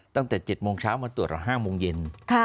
ตั้งแต่๗โมงเช้ามาตรวจ๕โมงเย็น